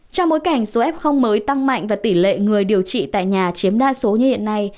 trong bối cảnh số f mới tăng mạnh và tỷ lệ người điều trị tại nhà chiếm đa số như hiện nay